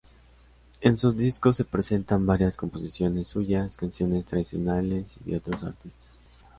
En sus discos se presentan varias composiciones suyas, canciones tradicionales, y de otros artistas.